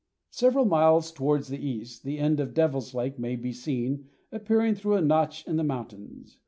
Several miles towards the east, the end of Devil's Lake may be seen appearing through a notch in the mountains.